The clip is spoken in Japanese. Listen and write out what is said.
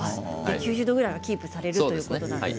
９０度ぐらいがキープされるということですね。